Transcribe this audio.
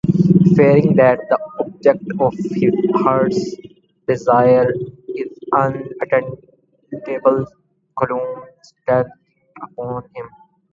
Fearing that the object of his heart's desire is unattainable, gloom settles upon him.